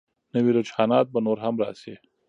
نوي رجحانات به نور هم راشي.